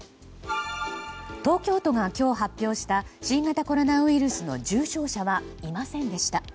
東京都が今日発表した新型コロナウイルスの重症者はいませんでした。